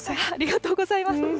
ありがとうございます。